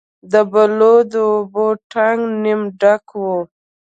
د بلو د اوبو ټانک نیمه ډک و.